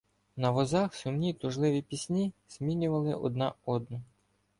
На возах сумні тужливі пісні змінювали одна одну.